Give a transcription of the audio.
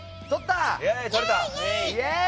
イエーイ！